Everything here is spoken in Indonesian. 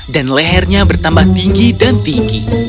dan lehernya bertambah tinggi dan tinggi